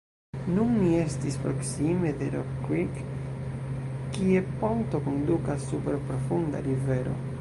Nun ni estis proksime de Rock Creek, kie ponto kondukas super profunda rivero.